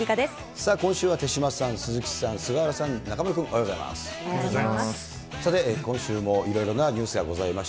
さあ、今週は手嶋さん、鈴木さん、菅原さん、中丸君、おはようござおはようございます。